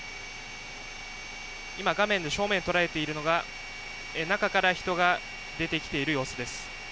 今、画面の正面捉えているのが中から人が出てきている様子です。